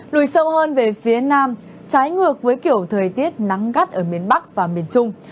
lùi sâu hơn về phía nam trái ngược với kiểu thời tiết nắng gắt ở miền bắc và miền trung